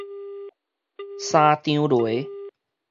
三張犁